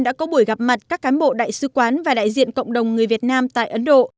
đã có buổi gặp mặt các cán bộ đại sứ quán và đại diện cộng đồng người việt nam tại ấn độ